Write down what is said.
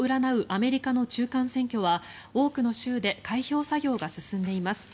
アメリカの中間選挙は多くの州で開票作業が進んでいます。